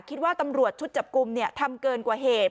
คิดว่าตำรวจชุดจับกลุ่มทำเกินกว่าเหตุ